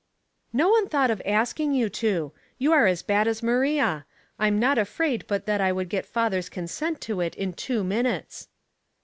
" No one thought of asking you to. You are as bad as Maria. Tm not afraid but that I could get father's consent to it in two minutes."